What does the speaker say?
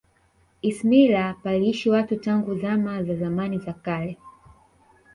ismila paliishi watu tangu zama za zamani za kale